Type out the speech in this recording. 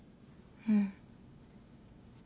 うん。